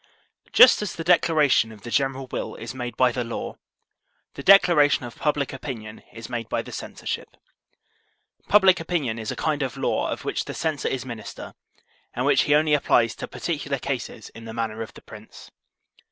Just as the declaration of the general will is made by the law, the declaration of public opinion is made by the censorship. Public opinion is a kind of law of which the censor is minister, and which he only applies to particular cases in the manner of the Prince.